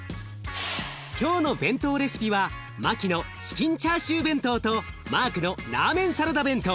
今日の弁当レシピはマキのチキンチャーシュー弁当とマークのラーメンサラダ弁当。